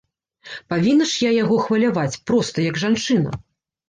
Павінна ж я яго хваляваць, проста, як жанчына.